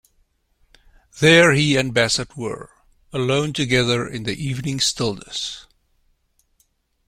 There he and Bassett were, alone together in the evening stillness.